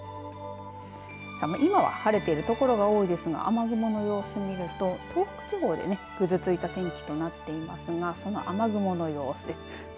今は晴れているところが多いですが雨雲の様子見ると東北地方でぐずついた天気となっていますがその雨雲の様子です。